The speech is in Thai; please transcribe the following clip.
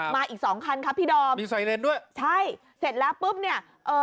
มาอีก๒คันครับพี่ดอมใช่เสร็จแล้วปุ๊บเนี่ยเอ่อ